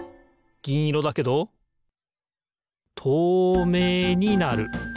ぎんいろだけどとうめいになる。